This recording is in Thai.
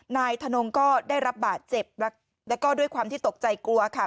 นายทนงก็ได้รับบาดเจ็บแล้วก็ด้วยความที่ตกใจกลัวค่ะ